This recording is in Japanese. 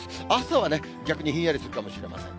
朝は逆にひんやりするかもしれません。